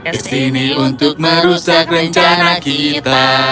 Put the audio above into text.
kesini untuk merusak rencana kita